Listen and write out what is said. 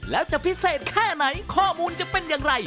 แล้วจะพิเศษแค่ไหนข้อมูลจะเป็นอย่างไร